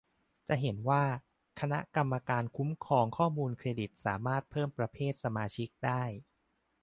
จะเห็นว่า คณะกรรมการคุ้มครองข้อมูลเครดิตสามารถเพิ่มประเภทสมาชิกได้